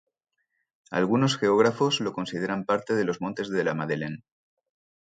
Algunos geógrafos lo consideran parte de los "Montes de la Madeleine".